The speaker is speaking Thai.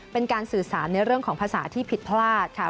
เป็นการสื่อสารในเรื่องของภาษาที่ผิดพลาดค่ะ